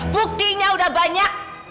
buktinya udah banyak